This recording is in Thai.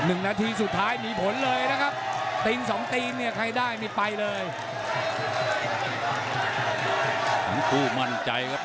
เอริจะเป็นผู้มั่นใจครับ